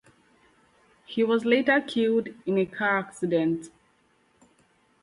He was later killed in a car accident.